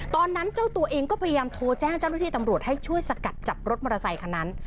ตอนนั้นเจ้าตัวเองก็พยายามโทรแจ้งเจ้าหน้าที่ตำรวจให้ช่วยสกัดจับรถมอเตอร์ไซคันนั้น